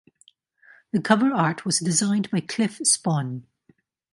The cover art was designed by Cliff Spohn.